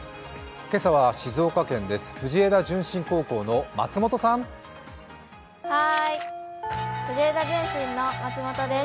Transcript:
今朝は静岡県です。